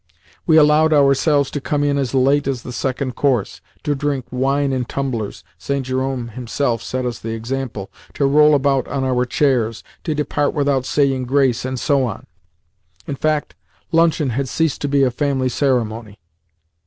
We allowed ourselves to come in as late as the second course, to drink wine in tumblers (St. Jerome himself set us the example), to roll about on our chairs, to depart without saying grace, and so on. In fact, luncheon had ceased to be a family ceremony.